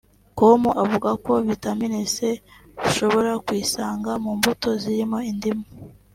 com avuga ko vitamin C ushobora kuyisanga mu mbuto zirimo indimu